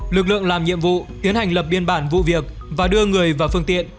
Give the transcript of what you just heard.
lực lượng làm nhiệm vụ tiến hành lập biên bản vụ việc và đưa người vào phương tiện